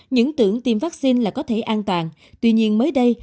những tưởng tiêm vắc xin là có thể an toàn tuy nhiên mới đây